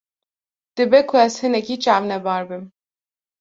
Dibe ku ez hinekî çavnebar bim.